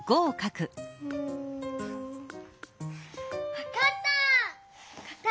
わかった！